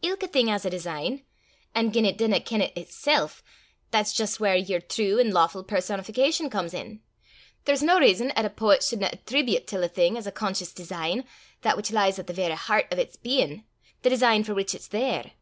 "Ilka thing has a design, an' gien it dinna ken 't itsel', that's jist whaur yer true an' lawfu' personification comes in. There's no rizon 'at a poet sudna attreebute till a thing as a conscious design that which lies at the verra heart o' 'ts bein', the design for which it's there.